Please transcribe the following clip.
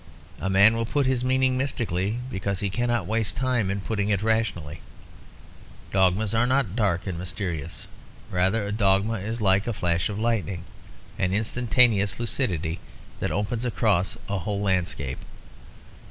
A man will put his meaning mystically because he cannot waste time in putting it rationally. Dogmas are not dark and mysterious; rather a dogma is like a flash of lightning an instantaneous lucidity that opens across a whole landscape.